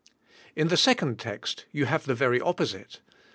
In the second text you have the very opposite.